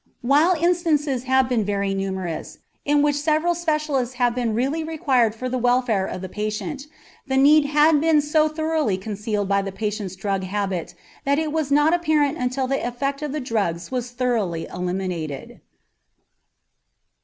While instances have been very numerous in which several specialists have been really required for the welfare of the patient, the need had been so thoroughly concealed by the patient's drug habit that it was not apparent until the effect of the drugs was thoroughly eliminated.